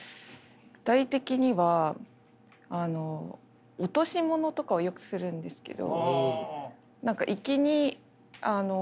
具体的には落とし物とかをよくするんですけど。